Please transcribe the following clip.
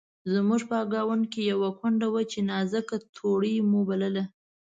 زموږ په ګاونډ کې یوه کونډه وه چې نازکه توړۍ مو بلله.